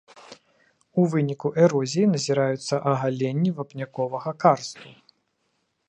У выніку эрозіі назіраюцца агаленні вапняковага карсту.